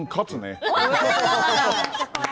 勝つね。